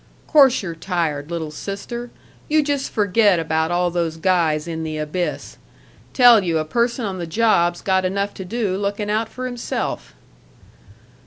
"Course you're tired, little sister. You just forget about all those guys in the abyss. Tell you a person on the job's got enough to do looking out for himself."